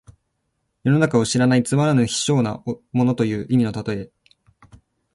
世の中を知らないつまらぬ卑小な者という意味の例え。